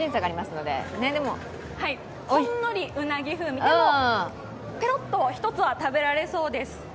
ほんのりうなぎ風味、でも、ぺろっと１つは食べられそうです。